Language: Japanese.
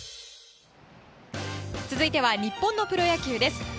続いては日本のプロ野球です。